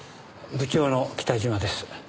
部長の北島です。